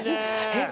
えっ？